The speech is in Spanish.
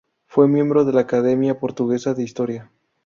Fue miembro de la Academia Portuguesa de Historia.